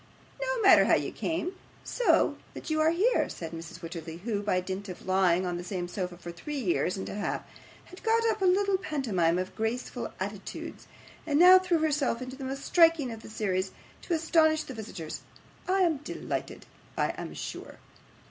'No matter how you came, so that you are here,' said Mrs. Wititterly, who, by dint of lying on the same sofa for three years and a half, had got up quite a little pantomime of graceful attitudes, and now threw herself into the most striking of the whole series, to astonish the visitors. 'I am delighted, I am sure.